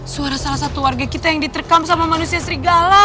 suara salah satu warga kita yang diterkam sama manusia serigala